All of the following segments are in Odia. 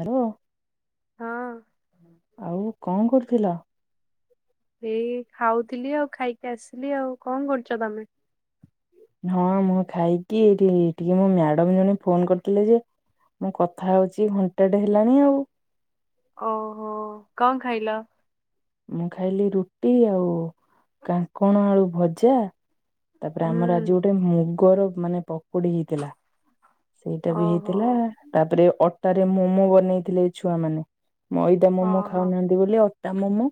ହ୍ୟାଲୋ ହଁ ଆଉ କଣ କରୁଥିଲ? ଏଇ ଖାଉଥିଲି ଆଉ ଖାଇକି ଆସିଲି ଆଉ କଣ କରୁଛ ତମେ? ହଁ ମୁଁ ଖାଇକି ଏଠିିକେ ମୋ ମ୍ୟାଡମ ଜଣେ ଫୋନ କରିଥିଲେ ଯେ ମୁଁ କଥା ହଉଛି ଘଣ୍ଟାଟେ ହେଲାଣି ଆଉ। ଓହୋ କଣ ଖାଇଲ? ମୁଁ ଖାଇଲି ରୁଟି ଆଉ କାଙ୍କଣ ଆଳୁ ଭଜା। ତାପରେ ଆମର ଆଜି ହୁଁ ଗୋଟେ ମୁଗର ମାନେ ପକୋଡି ହେଇଥିଲା। ସେଇଟା ବି ଓହୋ ହେଇଥିଲା ତାପରେ ଅଟ ରେ ମୋମୋ ବନେଇଥିଲେ ଛୁଆମାନେ। ମଇଦା ହଁ ମୋମୋ ହଁ ଖାଉନାହାନ୍ତି ବୋଲି ଅଟା ମୋମୋ।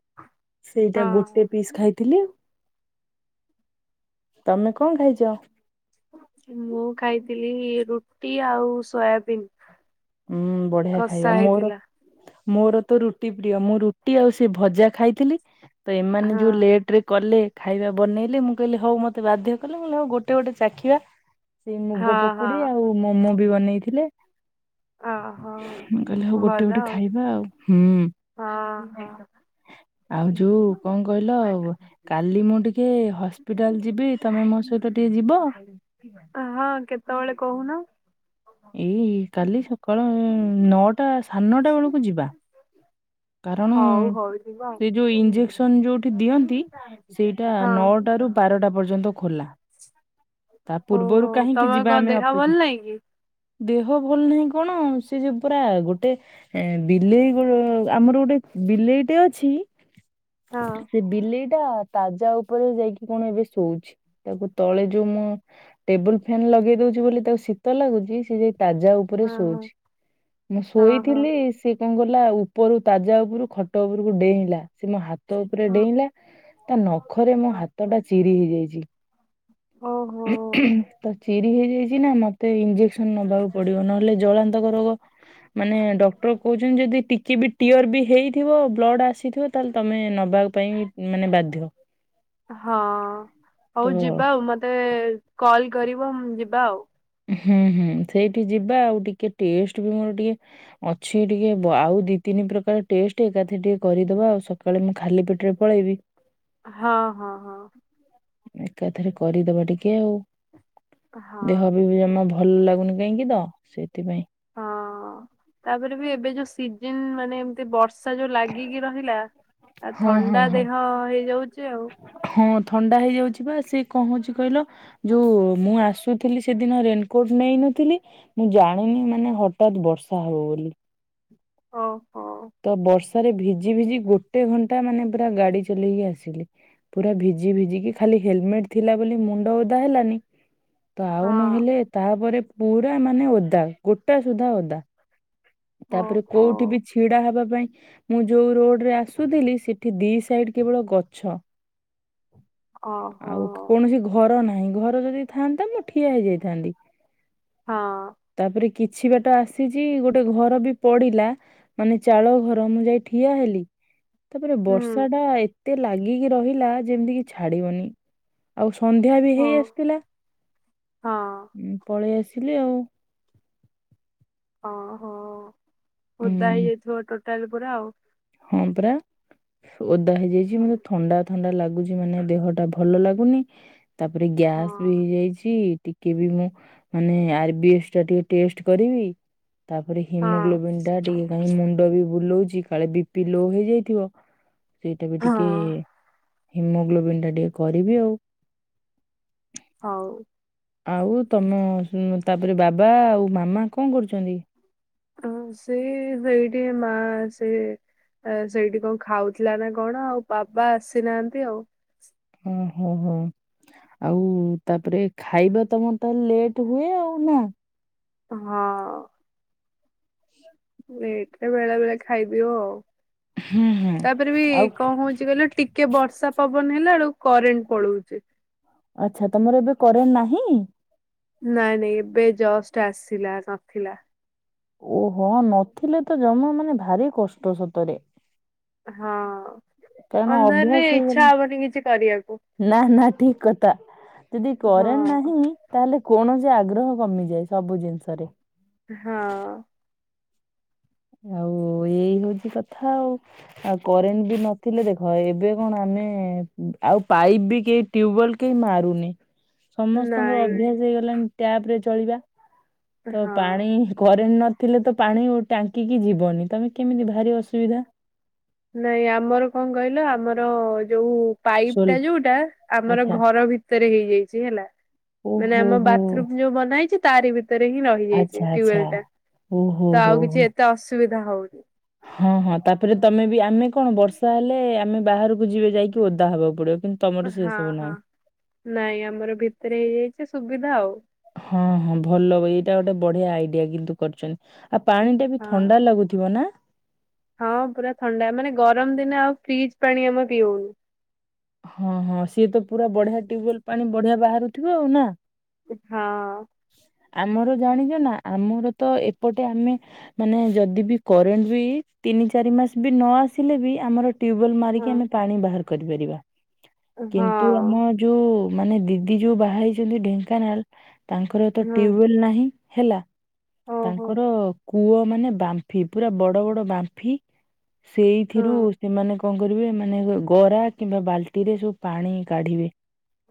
ସେଇଟା ଗୋଟେ ପିସ୍ ହଁ। ଖାଇଥିଲି ତମେ କଣ ଖାଇଛ? ମୁଁ ଖାଇଥିଲି ରୁଟି ଆଉ ସୋୟାବିିନ। ହୁଁ ବଢିଆ ଖାଇବା ମୋର ମୋର ତ ରୁଟି ପ୍ରିୟ ମୁଁ ରୁଟି ଆଉ ସେ ଭଜା ଖାଇଥିଲି। ତ ଏମାନେ ହଁ ଯୋଉ ଲେଟ ରେ କଲେ ଖାଇବା ବନେଇଲି ମୁଁ କହିଲି ହଉ ମୋତେ ବାଧ୍ୟ କଲେ ମୁଁ ହେଉ ଗୋଟେ ଗୋଟେ ଚାଖିବା। ସେଇ ହଁ ମୁଗ ହଁ ପକୁଡି ଆଉ ମୋମୋ ବି ବନେଇଥିଲେ। ଓହୋ ମୁଁ କହିଲେ ହଉ ଗୋଟେ ଗୋଟେ ଖାଇବା ଆଉ ହୁଁ। ହଁ ହଁ ଆଉ ଯୋଉ କଣ କହିଲ? କାଲି ମୁଁ ଟିକେ ହସ୍ପିଟାଲ ଯିବି ତମେ ମୋ ସହିତ ଟିକେ ଯିବ? ହଁ କେତେବେଳେ କହୁନ? ଏଇ କାଲି ସକାଳ ନଅଟା ସାଢ଼େ ନଅଟା ବେଳକୁ ଯିବା। କାରଣ ହଉ ହଉ ଯିବା ଆଉ। ସେ ଯୋଉ ଇଞ୍ଜେକ୍ସନ ଯୋଉଠି ଦିଅନ୍ତି ସେଇଟା ହଁ ନଅଟା ରୁ ବାରଟା ପର୍ଯ୍ୟନ୍ତ ଖୋଲା। ତା ହଉ ପୂର୍ବରୁ ହଉ କାହିଁକି ତମର ଯିବା କଣ ଆମେ ଦେହ ଭଲ ଅପେକ୍ଷା ନାହିଁ କି? ଦେହ ଭଲ ନାହିଁ କଣ ସେ ଯୋଉ ପରା ଗୋଟେ ଏ ବିଲେଇ ଗୋ ଆମର ଗୋଟେ ବିଲେଇଟେ ଅଛି। ହଁ ସେ ବିଲେଇ ଟା ତାଜା ଉପରେ ଯାଇକି କଣ ଏବେ ଶୋଉଛି ତାକୁ ତଳେ ଯୋଉ ମୁଁ ଟେବୁଲ ଫ୍ୟାନ୍ ଲଗେଇ ଦଉଛି ବୋଲି ତାକୁ ଶୀତ ଲାଗୁଛି ସେ ଯାଇ ତାଜା ଉପରେ ହଁ ହଁ ଶୋଉଛି ମୁଁ ହଁ ହଁ ଶୋଇଥିଲି ସେ କଣ କଲା ଉପରୁ ତାଜା ଉପରୁ ଖଟ ଉପରକୁ ଡେଇଁଲା ସେ ମୋ ହାତ ଉପରେ ହଁ। ଡେଇଁଲା। ତା ନଖରେ ମୋ ହଁ। ହାତ ଟା ଚିରି ହେଇଯାଇଛି। ଓହୋ। ତ ଚିରି ହେଇଯାଇଛି ନା ମତେ ଇଞ୍ଜେସ ନବାକୁ ପଡିବ ନହେଲେ ଜଳାନ୍ତକ ରୋଗ ମାନେ ଡକ୍ଟର କହୁଛନ୍ତି ଯଦି କି ବି ଟିଓର ବି ହେଇଥିବ ବ୍ଲଡ଼୍ ଆସିଥିବ ତାହେଲେ ତୁମେ ନେବା ପାଇଁ ମାନେ ବାଧ୍ୟ। ହ। ହଁ ହଉ ଯିବା ଆଉ ମତେ କଲ୍ କରିବ ଯିବା ଆଉ। ହୁଁ ହୁଁ ସେଇଠି ଯିବା ଆଉ ଟିକେ ଟେଷ୍ଟ ବି ମୋର ଟିକେ ଅଛି ଟିକେ ଆଉ ଦି ତିନି ପ୍ରକାର ଟେଷ୍ଟ ଏକାଥ ଟିକେ କରିଦବା ଆଉ ସକାଳେ ମୁଁ ଖାଲି ପେଟରେ ପଳେଇବି। ହଁ ହଁ ହଁ। ଏକାଥରେ କରିଦବା ଟିକେ ଆଉ ଦେହ ହଁ ବି ବି ଜମା ଭଲ ଭଲ ଲାଗୁନି କାହିଁକି ତ ସେଥିପାଇଁ। ହଁ ତାପରେ ବି ଏବେ ଯୋଉ ସିଜନ ମାନେ ଏମତି ବର୍ଷା ଯୋଉ ଲାଗିକି ରହିଲା ଆ ହଁ ହଁ ଥଣ୍ଡା ହଁ। ଦେହ ହେଇଯାଉଚି ଆଉ। ହଁ ଥଣ୍ଡା ହେଇଯାଉଚି ବା ସିଏ କଣ ହଉଚି କହିଲ ଯଉ ମୁଁ ଆସୁଥିଲି ସେଦିନ ରେନକୋଟ୍ ନେଇନଥିଲି ମୁଁ ଜାଣିନି ମାନେ ହଟାତ୍ ବର୍ଷା ହବ ବୋଲି। ଓହୋ। ତ ବର୍ଷାରେ ଭିଜି ଭିଜି ଗୋଟେ ଘଣ୍ଟା ମାନେ ପୁରା ଗାଡି ଚଲେଇକି ଆସିଲି। ପୁରା ଭିଜି ଭିଜିିକି ଖାଲି ହେଲମେଟ୍ ଥିଲା ବୋଲି ମୁଣ୍ଡ ଓଦା ହେଲାନି ତ ଆଉ ହଁ ନହେଲେ ତାପରେ ପୁରା ମାନେ ଓଦା ଗୋଟା ସୁଧା ଓଦା। ତାପରେ ଓହୋ କଉଠି ବି ଛିଡା ହବା ପାଇଁ ମୁଁ ଯଉ ରୋଡ୍ ରେ ଆସୁଥିଲି ସେଠି ଦି ସାଇଡ୍ କେବଳ ଗଛ। ଓହୋ ଆଉ କୌଣସି ଘ ଘର ନାହିଁ ଘର ଯଦି ଥାଆନ୍ତା ମୁଁ ଠିଆ ହେଇଯାଇଥାନ୍ତି ହଁ ତାପରେ କିଛି ବାଟ ଆସିଚି ଗୋଟ୍ ଗୋଟେ ଘର ବି ପଡିଲା ମାନେ ଚାଳ ଘର ମୁଁ ଯାଇ ଠିଆ ହେଲି ତାପରେ ହୁଁ ବର୍ଷା ଟା ଏତେ ଲାଗିକି ରହିଲା ଯେମିତି କି ଛାଡିବନି। ଆଉ ସନ୍ଧ୍ୟା ବି ଓ ହେଇ ଆସିଥିଲା ହଁ ଉଁ- ପଳେଇ ଆସିଲି ଆଉ। ଓହୋ ଉଁ ଓଦା ହେଇଯାଇଥିବ ଟୋଟାଲ୍ ପୁରା ଆଉ। ହଁ ପୁରା ଓଦା ହେଇଯାଇଚି ହଁ ମତେ ଥଣ୍ଡା ଥଣ୍ଡା ଲାଗୁଚି ମାନେ ଦେହ ଟା ଭଲ ଲାଗୁନି ତାପରେ ହଁ ଗ୍ୟାସ୍ ବି ହେଇଯାଇଚି ଟିକ୍ କେବି ମୁଁ ମାନେ ଆର ବି ଏସ୍ ଟା ଟିକେ ଟେଷ୍ଟ୍ କରିବି ତାପରେ ହଁ ହିମୋଗ୍ଲୋବନ୍ ଟା ଟିକେ କାଇଁ ମୁଣ୍ଡ ବି ବୁଲଉଚି କାଳେ ବି ପି ଲୋ ହେଇଯାଇଥିବ। ସେଇଟା ବି ହଁ ଟିକେ ହିମୋଗ୍ଲୋବନ୍ ଟା ଟିକେ କରିବି ଆଉ। ହଉ। ଆଉ ତମ ତାପରେ ବାବା ଆଉ ମାମା କଣ କରୁଚନ୍ତି? ଆଉ ସେଇ- ସେଇଠି ମା ସିଏ ଆରେ ସେଇଠି କଣ ଖାଉଥିଲା ନା କଣ ଆଉ ବାବା ଆସିନାହାନ୍ତି ଆଉ। ଓ ହୋ ହୋ। ଆଉ ତାପରେ ଖାଇବା ତମର ତ ଲେଟ୍ ହୁଏ ଆଉ ନା। ହଁ। ଲେଟ୍ ରେ ବେଳେ ବେଳେ ଖାଇଦେଉ ଆଉ ହୁଁ ହୁଁ। ତାପରେ ବି ଆଉ କଣ ହଉଚି କହିଲେ ଟି ଟିକେ ବର୍ଷା ପବନ ହେଲା ବେଳକୁ କରେଣ୍ଟ୍ ପଳଉଚି। ଆଚ୍ଛା ତମର ଏବେ କରେଣ୍ଟ୍ ନାହିଁ? ନାଇଁ ନାଇଁ ଏବେ ଜଷ୍ଟ୍ ଆସିଲା ନଥିଲା। ଓହୋ ନଥିଲେ ତ ଜମା ମାନେ ଭାରି କଷ୍ଟ ସତରେ। ହଁ କାରଣ ଅନ୍ଧାରରେ ଅଭ୍ୟାସ ହେଇଗଲାଣି ଇଚ୍ଛା ହବନି କିଛି କରିବାକୁ। ନା- ନା ଠିକ୍ କଥା ଯଦି କରେଣ୍ଟ୍ ହଁ ନାହିଁ ତାହେଲେ କୌଣସି ଆଗ୍ରହ କମିଯାଏ ସବୁ ଜିନିଷରେ। ହଁ। ଆଉ ଏଇ ହଉଚି କଥା ଆଉ। ଆଉ କରେଣ୍ଟ୍ ବି ନଥିଲେ ଦେଖ ଏବେ କଣ ଆମେ ଆଉ ପାଇପ୍ ବି କେ ଟ୍ୟୁବଲ୍ କେହି ମାରୁନେ। ସମସ୍ତଙ୍କର ନାଇଁ ଅଭ୍ୟାସ୍ ହେଇଗଲାଣି ଟ୍ୟାପ୍ ରେ ଚଳିବା ତ ହଁ ପାଣି କରେଣ୍ଟ୍ ନ ଥିଲେ ତ ପାଣି ଓ ଟାଙ୍କିକି ଯିବନି ତମେ କେମିତି ଭାରି ଅସୁବିଧା। ନାଇଁ ଆମର କଣ କହିଲ ଆମର ଯଉ ପାଇପ୍ ଟା ସୋଲ ଯଉଟା ଆମର ଆଚ୍ଛା ଘର ଭିତ୍ ଭିତରେ ହେଇଯାଇଚି ହେଲା ମାନେ ଓହୋ ଆମ ହୋ ବାଥରୁମ୍ ଯଉ ବନା ହେଇଚି ତାରି ଭିତ୍ ଭିତରେ ହିଁ ରହିଯାଇଛି ଆଚ୍ଛା ଆଚ୍ଛା ଟ୍ୟୁବଲ ଟା ଓହୋ ତ ହୋ ଆଉ ହୋ କିଛି ଏତେ ଅସୁବିଧା ହଉନି। ହଁ ହଁ ତାପରେ ତମେ ବି ଆମେ କଣ ବର୍ଷା ହେଲେ ଆମେ ବାହାରକୁ ଯିବେ ଯାଇକି ଓଦା ହବାକୁ ପଡିବ କିନ୍ତୁ ତମର ସେ ହଁ ସବୁ ହଁ ନାହିଁ। ନାଇଁ ଆମର ଭିତରେ ହେଇଯାଇଛି ସୁବିଧା ଆଉ। ହଁ ହଁ ଭଲ ଏଇଟା ଗୋଟେ ବଢିଆ ଆଇଡିଆ କିନ୍ତୁ କରିଛନ୍ତି। ଆଉ ପାଣି ଟା ବି ହଁ। ଥଣ୍ଡା ଲାଗୁଥିବ ନା? ହଁ ପୁରା ଥଣ୍ଡା ମାନେ ଗରମ ଦିନେ ଆଉ ଫ୍ରିଜ ପାଣି ଆମେ ପିଇଉନୁ। ହଁ ହଁ ସିଏ ତ ପୁରା ବଢିଆ ଟ୍ୟୁବେଲ ପାଣି ବଢିଆ ବାହାରୁଥିବ ଆଉ ନା? ହଁ ଆମର ଜାଣିଛ ନା ଆମର ତ ଏପଟେ ଆମେ ମାନେ ଯଦି ବି କରେଣ୍ଟ ବି ତିନି ଚାରି ମାସ ବି ନ ଆସିଲେ ବି ଆମର ଟ୍ୟୁବୱେଲ୍ ହଁ ମାରିକି ଆମେ ପାଣି ବାହାର କରିପାରିବା। ହଁ କିନ୍ତୁ ଆମ ଯୋଉ ମାନେ ଦିଦି ଯୋଉ ବାହା ହେଇଛନ୍ତି ଢେଙ୍କାନାଳ। ତାଙ୍କର ତ ହଁ ଟ୍ୟୁୱେଲ୍ ନାହିଁ ହେଲା। ଓହୋ ତାଙ୍କର କୂଅ ମାନେ ବାମ୍ଫି ପୁରା ବଡ ବଡ ବାମ୍ଫି। ହଁ ସେଇଥିରୁ ସେମାନେ କଣ କରିବେ ମାନେ ଗରା କିମ୍ବା ବାଲ୍ଟି ରେ ସବୁ ପାଣି କାଢିବେ।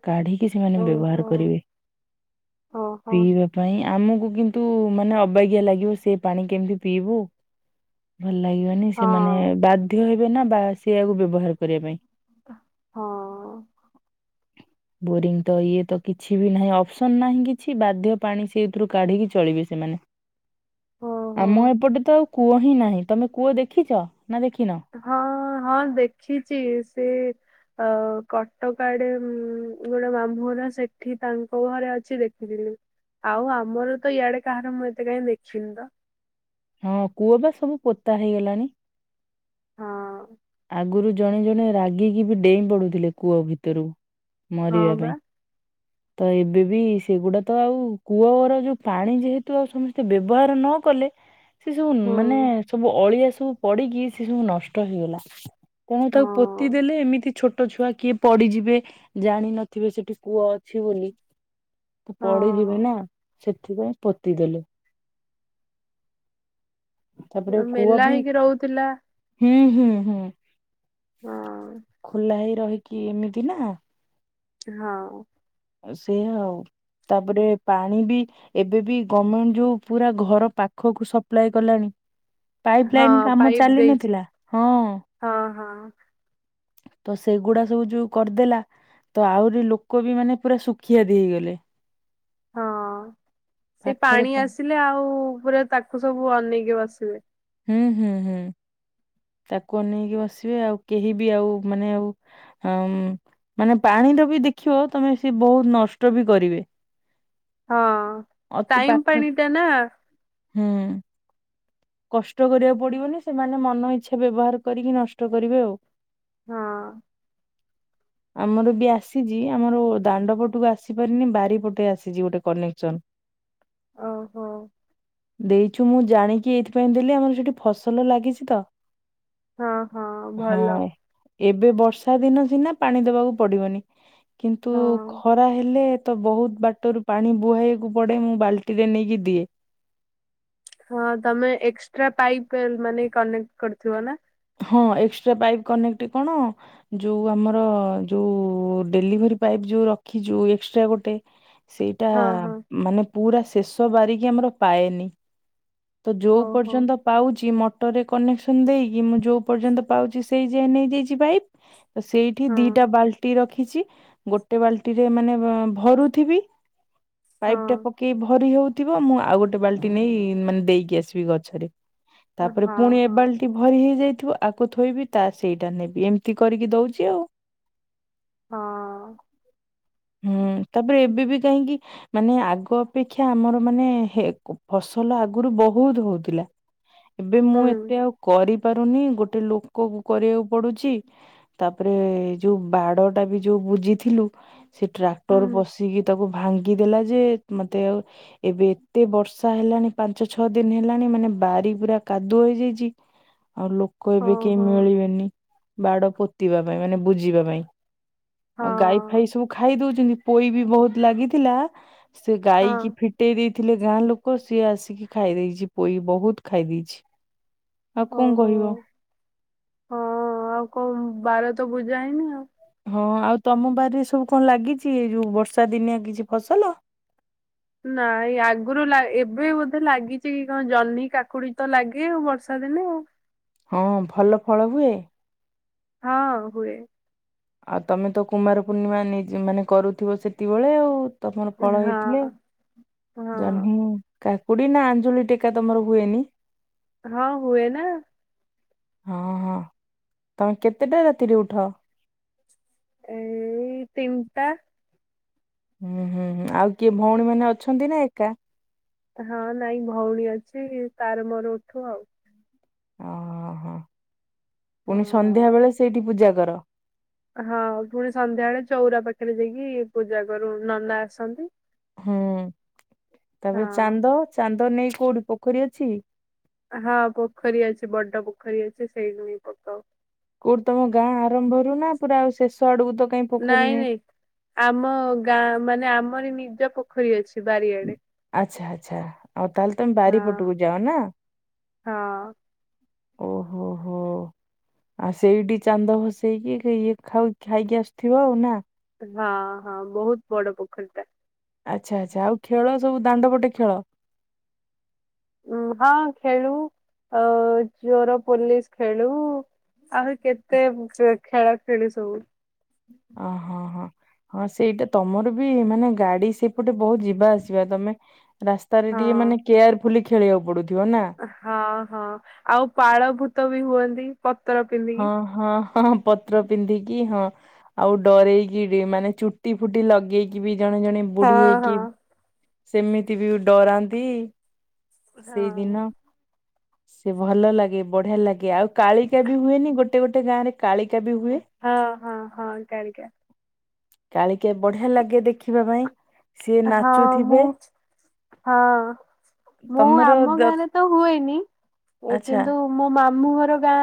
କାଢିକି ସେମାନେ ବ୍ୟବହାର ଓହୋ। କରିବେ ଓହୋ ପିଇବା ପାଇଁ ଆମକୁ କିନ୍ ତୁ ମାନେ ଅବାଗିଆ ଲାଗିବ ସେ ପାଣି କେମିତି ପିଇବୁ। ଭଲ ଲାଗିବନି ସେମାନେ ହଁ ବାଧ୍ୟ ହେବେ ନା ବା ସେଆକୁ ବ୍ୟବହାର କରିବା ପାଇଁ ହଁ ବୋରିଂ ତ ଇଏ ତ କିଛି ବି ନାହିଁ ଅପ୍ସନ୍ ନାହିଁ କିଛି ବାଧ୍ୟ ପାଣି ସେଥିରୁ କାଢିକି ଚଳିବେ। ସେମାନେ ଓହୋ। ଆମ ଏପଟେ ତ ଆଉ କୂଅ ହିଁ ନାହିଁ ତମେ କୂଅ ଦେଖିଛ ନା ଦେଖିନ ହଁ ହଁ ଦେଖିଛି ସେ ଆ କଟକ ଆଡେ ଗୋଟେ ମାମୁଁ ଘର ସେଠି ତାଙ୍କ ଘରେ ଅଛି ଦେଖିଥିଲି। ଆଉ ଆମର ତ ଇଆଡେ କାହାର ମୁଁ ଏତେ କାଇଁ ଦେଖିନି ତ ହଁ କୂଅ ବା ସବୁ ପୋତା ହେଇଗଲାଣି। ହଁ ଆଗୁରୁ ଜଣେ ଜଣେ ରାଗିକି ବି ଡେଇଁ ପଡୁଥିଲେ କୂଅ ଭିତରୁକ। ମରିବା ହଁ ବା ପାଇଁ ତ ଏବେ ବି ସେଗୁଡ଼ା ତ ଆଉ କୂଅର ଯଉ ପାଣି ଯେହେତୁ ଆଉ ସମସ୍ତେ ବ୍ୟବହାର ନ କଲେ। ସେ ସବୁ ହଁ ମାନେ ସବୁ ଅଳିଆ ସବୁ ପଡ଼ିକି ସେ ସବୁ ନଷ୍ଟ ହେଇଗଲା। କଣ ତାକୁ ହଁ। ପୋତି ଦେଲେ ଏମିତି ଛୋଟ୍। ଟ ଛୁଆ କିଏ ପଡିଯିବେ ଜାଣିନଥିବେ ସେଠି କୂଅ ଅଛି ବୋଲି। ତ ପଡିଯିବେ ହଁ ନା ସେଥିପାଇଁ ପୋତିଦେଲେ ତାପରେ କୂଅ ମେଲା ବି ହେଇକି ରହୁଥିଲା ହୁଁ ହୁଁ ହୁଁ ହଁ ଖୋଲା ହେଇ ରହିକି ଏମିତି ନା ହଁ ସେଇଆ ଆଉ ତାପରେ ପାଣି ବି ଏବେବି ଗମେଣ୍ଟ ଯୋଉ ପୁରା ଘର ପାଖକୁ ସପ୍ଲାଏ କଲାଣି ପାଇପ୍ ହଁ ଲାଇନ୍ କାମ ପାଇପ୍ ଚାଲି ଦେଇଛି ନଥିଲା ହଁ। ହଁ ହଁ ତ ସେଗୁଡା ସବୁ ଯଉ କରିଦେଲା। ତ ଆଉରି ଲୋକ ବି ମାନେ ପୁରା ସୁଖିଆଦି ହେଇଗଲେ। ହଁ ପାଖରେ ସେପାଣି ପାଣି ଆସିଲେ ଆଉ ପୁରା ତାକୁ ସବୁ ଅନେଇକି ବସିବେ। ହୁଁ ହୁଁ ହୁଁ ତାକୁ ଅନେଇକି ବସିବେ ଆଉ କେହିବି ଆଉ ମାନେ ଆଉ ହଁମ୍ ମାନେ ପାଣିରବି ଦେଖିବ ତମେ ସେ ବହୁତ୍ ନଷ୍ଟବି କରିବେ। ହଁ। ଅତି ଟାଇମ ପାଖ ପାଣି ଟା ନା ହୁଁ। କଷ୍ଟ କରିବାକୁ ପଡ଼ିବନି ସେମାନେ ମନ ଇଚ୍ଛା ବ୍ୟବହାର କରିକି ନଷ୍ଟ କରିବେ ଆଉ। ହଁ। [inaudible] ଆମରବି ଆସିଚି ଆମର ଦାଣ୍ଡ ପଟକୁ ଆସିପାରିନି ବାରିପଟେ ଆସିଚି ଗୋଟେ କନେକ୍ସନ। [inaudible] ଓହୋ। ଦେଇଚୁ ମୁଁ ଜାଣିକି ଏଇଥିପାଇଁ ଦେଲି ଆମର ସେଠି ଫସଲ ଲାଗିଚିତ ହଁ ହଁ ଭଲ ହଁ। ଏବେ ବର୍ଷା ଦିନ ସିନା ପାଣି ଦବାକୁ ପଡ଼ିବନି କିନ୍ତୁ ହଁ ଖରା ହେଲେ ତବହୁତ୍ ବାଟରୁ ପାଣି ବୁହାଇବାକୁ ପଡ଼େ ମୁଁ ବାଲ୍ଟିରେ ନେଇକି ଦିଏ ହଁ ତମେ ଏକ୍ସଟ୍ରା ପାଇପ୍ ମାନେ କନେକ୍ଟ କରୁଥିବନା? ହଁ ଏକ୍ସଟ୍ରା ପାଇପ୍ କନେକ୍ଟ କଣ ଯୋଉ ଆମର ଯୋଉ ଡେଲିଭରି ପାଇପ୍ ଯୋଉ ରଖିଚୁ ଏକ୍ସଟ୍ରା ଗୋଟେ ସେଇଟା ହଁ ହଁ ମାନେ ପୁରା ଶେଷ ବାରିକି ଆମର ପାଏନି ତଯୋଉ ହଉ ପର୍ଯ୍ୟନ୍ତ ପାଉଚି ମଟରରେ କନେକ୍ସନ ଦେଇକି ମୁ ଯୋଉ ପର୍ଯ୍ୟନ୍ତ ପାଉଚି ସେଇ ଯାଏ ନେଇଯାଇଚି ପାଇପ୍ ତସେଇଠି ଦିଟା ହଉ ବାଲ୍ଟି ରଖିଚି ଗୋଟେ ବାଲ୍ଟିରେ ମାନେ ଭରୁଥିବି ପାଇପ୍ ହଁ ଟା ପକେଇ ଭରି ହଉ ଥିବ ମୁଁ ଆଉ ଗୋଟେ ବାଲ୍ଟି ନେଇ ମାନେ ଦେଇକି ଆସିବି ଗଛରେ ହଁ ତାପରେ ହଁ ପୁଣି ହଁ ଏବାଲ୍ଟି ସେଭରି ହେଇଯାଇଥିବ ଆକୁ ଥୋଇବି ତାସେଇଟା ନେବି ଏମିତି କରିକି ଦଉଚି ଆଉ। ହଁ। ହୁଁ ତାପରେ ଏବେବି କାହିଁକି ମାନେ ଆଗ ଅପେକ୍ଷା ଆମର ମାନେ ହେ କ ଫସଲ ଆଗରୁ ବହୁତ୍ ହଉଥିଲା ଏବେ ମୁଁ ହୁଁ ଏତେ ଆଉ କରିପାରୁନି ଗୋଟେ ଲୋକକୁ କରିବାକୁ ପଡ଼ୁଚି ତାପରେ ଯୋଉ ବାଡ଼ଟାବି ଯୋଉ ବୁଜିଥିଲୁ ସେ ଟ୍ରାକ୍ଟର ହୁଁ ପଶିକି ତାକୁ ଭାଙ୍ଗିଦେଲାଯେ ମତେ ଆଉ ଏବେ ଏତେ ବର୍ଷା ହେଲାଣି ପାଞ୍ଚ ଛଅ ଦିନ ହେଲାଣି ମାନେ ବାରି ପୁରା କାଦୁଅ ହେଇଯାଇଚି ଆଉ ଲୋକ ହଁ ଏବେ କେହି ହଁ ମିଳିବେନି ବାଡ଼ ପୋତିବା ପାଇଁ ମାନେ ବୁଝିବା ପାଇଁ ଆଉ ଗାଈ ହଁ ଫାଇ ସବୁ ଖାଇ ଦଉଚନ୍ତି ପୋଇବି ବହୁତ୍ ଲାଗିଥିଲା ସେ ଗାଈକି ହଁ ଫିଟେଇ ଦେଇ ଥିଲେ ଗାଁ ଲୋକ ସିଏ ଆସିକି ଖାଇ ଦେଇଚି ପୋଇ ବହୁତ୍ ଖାଇ ଦେଇଚି। ଆଉ କଣ ଓହୋ କହିବ? ହଁ ଆଉ କଁ ବାରତ ବୂଜା ହେଇନି ଆଉ। ହଁ ଆଉ ତମ ବାରିରେ ସବୁ କଣ ଲାଗିଚି ଏଯୋଉ ବର୍ଷା ଦିନିଆ କିଛି ଫସଲ ନାଇଁ ଆଗରୁ ଲା ଏବେ ବୋଧେ ଲାଗିଚିକି କଣ ଜହ୍ନି କାକୁଡ଼ି ତଲାଗେ ଆଉ ବର୍ଷା ଦିନେ ଆଉ। ହଁ ଭଲ ଫଳ ହୁଏ? ହଁ ହୁଏ। ଆଉ ତମେ ତ କୁମାର ପୂର୍ଣ୍ଣିମା ନେ ମାନେ କରୁଥିବ ସେତବେଳେ ଆଉ। ତମର ଫଳ ହେଇଥିଲେ ହଁ ହଁ ଜହ୍ନି କାକୁଡ଼ିନା ଆଞ୍ଜଳି ଟେକା ତମର ହୁଏନି। ହଁ ହୁଏ ନା। ହଁ ହଁ ତମେ କେତେଟା ରାତିରେ ଉଠ? ଏଇ ତିନିଟା। ହୁଁ ହୁଁ ହୁଁ, ଆଉ କିଏ ଭଉଣୀ ମାନେ ଅଛନ୍ତି ନା ଏକା? ହଁ ନାଇଁ ଭଉଣୀ ଅଛି ତାର ମୋର ଉଠୁ ଆଉ। ଓହୋଃ, ପୁଣି ସନ୍ଧ୍ୟା ହଁ। ବେଳେ ସେଇଠି ପୂଜା କର? ହଁ, ପୁଣି ସନ୍ଧ୍ୟା ବେଳେ ଚଉଁରା ପାଖରେ ଯାଇକି ପୂଜା କରୁ, ନନା ଆସନ୍ତି। ହୁଁ, ତାପରେ ହଁ। ଚାନ୍ଦ, ଚାନ୍ଦ ନେଇ କୋଉଠି ପୋଖରୀ ଅଛି? ହଁ, ପୋଖରୀ ଅଛି ବଡ଼ ପୋଖରୀ ଅଛି ସେଇଠି ହିଁ ପକାଉ। କୋଉଠି ତମ ଗାଁ ଆରମ୍ଭରୁ ନା ପୁରା ଆଉ ଶେଷ ଆଡକୁ ତ କାଇଁ ପୋଖରୀ ନାଇଁ ନାହିଁ? ନାଇଁ ଆମ ଗାଁ ମାନେ ଆମରି ନିଜ ପୋଖରୀ ଅଛି ବାରିଆଡେ। ଆଚ୍ଛା ଆଚ୍ଛା, ଆଉ ତାହେଲେ ତମେ ହଁ ବାରି ପଟକୁ ଯାଅ ନା? ହଁ। ଓହୋଃ ହୋଃ। ଆଉ ସେଇଠି ଚାନ୍ଦ ଭସେଇକି ଇଏ ଖାଉ ଖାଇକି ଆସୁଥିବ ଆଉ ନା? ହଁ ହଁ, ବହୁତ ବଡ଼ ପୋଖରୀ ଟା। ଆଚ୍ଛା ଆଚ୍ଛା। ଆଉ ଖେଳ ସବୁ, ଦାଣ୍ଡ ପଟେ ଖେଳ? ଉ ହଁ, ଖେଳୁ ଆଉ ଚୋର ପୋଲିସ ଖେଳୁ। ଆହୁରି କେତେ ଖେଳ ଖେଳୁ ସବୁ। ଅହଁ ହଁ, ହଁ ସେଇଟା ତମର ବି ମାନେ ଗାଡ଼ି ସେ ପଟେ ବହୁତ ଯିବା ଆସିବା। ତମେ ରାସ୍ତାରେ ହଁ। ଟିକେ ମାନେ କେୟାରଫୁଲି ଖେଳିବାକୁ ପଡୁଥିବ ନା? ହଁ ହଁ, ଆଉ ପାଳଭୂତ ବି ହୁଅନ୍ତି ପତର ହଁ ପିନ୍ଧିକି। ହଁ ହଁ, ପତ୍ର ପିନ୍ଧିକି ହଁ ‌ ଆଉ ଡରେଇକିରି ମାନେ ଚୁଟି ଫୁଟି ଲଗେଇକି ବି ଜଣେ ଜଣେ ବୁଢୀ ହଁ ହେଇକି ହଁ। ସେମିତି ବି ଡରାନ୍ତି। ହଁ। ସେଇଦିନ ସେ ଭଲ ଲାଗେ ବଢ଼ିଆ ଲାଗେ। ଆଉ କାଳିକା ବି ହୁଏନି ଗୋଟେ ଗୋଟେ ଗାଁରେ? କାଳିକା ବି ହୁଏ। ହଁ ହଁ ହଁ କାଳିକା। କାଳିକା ବଢ଼ିଆ ଲାଗେ ଦେଖିବା ପାଇଁ। ସିଏ ହଁ ମୁଁ ନାଚୁଥିବେ ହଁ ମୁଁ ତମର ଆମ ଦ- ଗାଁରେ ତ ହୁଏନି। ଆଚ୍ଛା କିନ୍ତୁ ମୋ ମାମୁଁ ଘର ଗାଁ